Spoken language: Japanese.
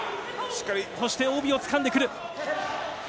そして帯をつかんでくる。